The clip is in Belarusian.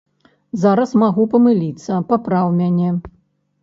Зараз магу памыліцца, папраў мяне.